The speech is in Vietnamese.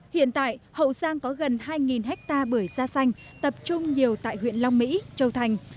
hiện tại hậu giang có gần hai hectare bưởi da xanh tập trung nhiều tại huyện long mỹ châu thành